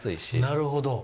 なるほど！